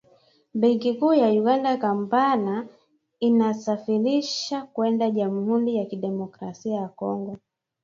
Benki Kuu ya Uganda Kampala inasafirisha kwenda jamhuri ya kidemokrasia ya Kongo